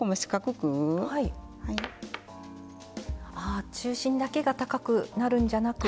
あ中心だけが高くなるんじゃなく。